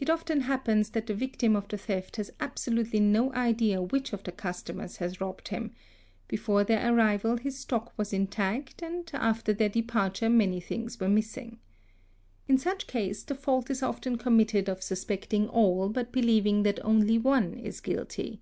1t often happens that the victim of the theft has absolutely no idea which of the customers has robbed him ; before their arrival his stock was intact, and after their departure many hings were. missing. In such a case the fault is often committed of suspecting all but believing that only one is guilty.